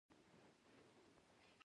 قاصد ورته دا ټوله کیسه وویله.